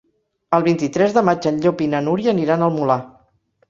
El vint-i-tres de maig en Llop i na Núria aniran al Molar.